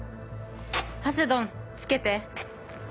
ハセドンつけて。